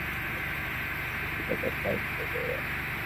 শুটুদাদা drive করবে এবার!